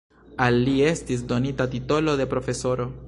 Al li estis donita titolo de profesoro.